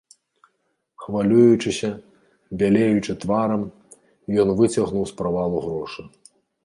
Хвалюючыся, бялеючы тварам, ён выцягнуў з правалу грошы.